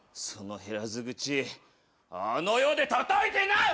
その減らず口あの世でたたいてな！